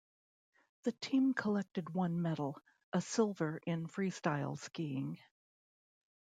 The team collected one medal, a silver in Freestyle Skiing.